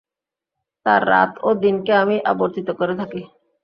তার রাত ও দিনকে আমিই আবর্তিত করে থাকি।